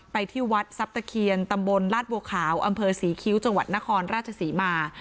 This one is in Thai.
ที่วัดทรัพย์ตะเคียนตำบลลาดบัวขาวอำเภอศรีคิ้วจังหวัดนครราชศรีมา